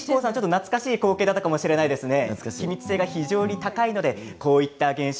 懐かしい光景だったかもしれないですね。